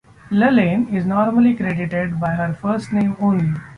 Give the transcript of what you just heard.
Lalaine is normally credited by her first name only.